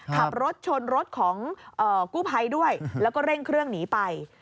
ขับรถชนรถของกู้ภัยด้วยแล้วก็เร่งเครื่องหนีไป